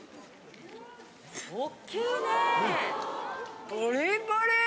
・おっきいね！